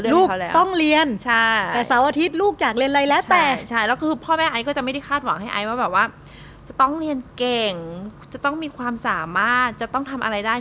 แล้วเลือกให้เขาแล้วใช่แล้วคือพ่อแม่ไอ้ก็จะไม่ได้คาดหวังให้ไอ้ว่าแบบว่าจะต้องเรียนเก่งจะต้องมีความสามารถจะต้องทำอะไรได้